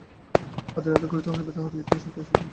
হাতেনাতে করিতে হইবে, তবে ইহার সত্যাসত্য বুঝিতে পারিবে।